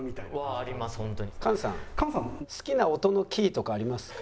「菅さん好きな音のキーとかありますか？」。